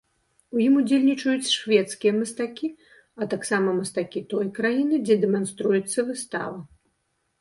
У ім удзельнічаюць шведскія мастакі, а таксама мастакі той краіны, дзе дэманструецца выстава.